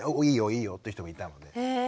「いいよいいよ」っていう人もいたので。